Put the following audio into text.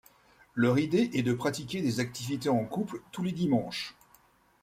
Leur idée est de pratiquer des activités en couple tous les dimanches.